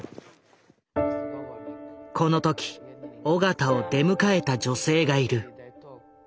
この時緒方を出迎えた女性がいる。